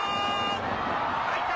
入った！